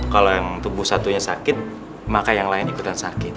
kalau yang tubuh satunya sakit maka yang lain ikutan sakit